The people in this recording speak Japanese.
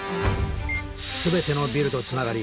全てのビルとつながり